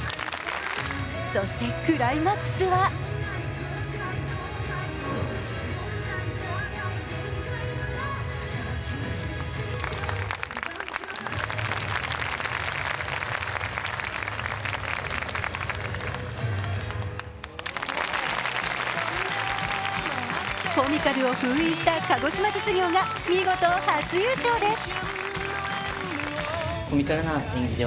そして、クライマックスはコミカルを封印した鹿児島実業が見事初優勝です。